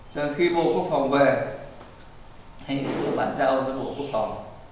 cho nên khi bộ quốc phòng về anh ấy cũng bán trao cho bộ quốc phòng